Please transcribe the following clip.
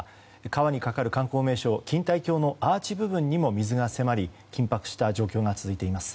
川にかかる観光名所・錦帯橋のアーチ部分にも水が迫り緊迫した状況が続いています。